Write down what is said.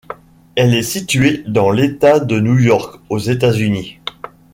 Elle est située dans l'État de New York, aux États-Unis.